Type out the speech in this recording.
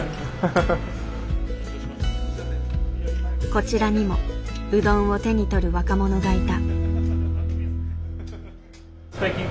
こちらにもうどんを手に取る若者がいた。